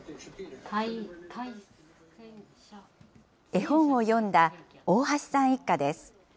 絵本を読んだ大橋さん一家です。